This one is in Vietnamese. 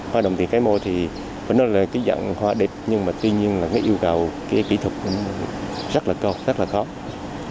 hoa đồng tiền cây mô thì vẫn là dòng hoa đẹp nhưng mà tuy nhiên là yêu cầu kỹ thuật rất là cao